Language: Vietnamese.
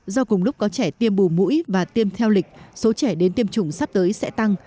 do cùng lúc có trẻ tiêm bù mũi và tiêm theo lịch số trẻ đến tiêm chủng sắp tới sẽ tăng